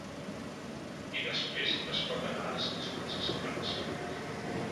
I després es pot anar a les instàncies internacionals.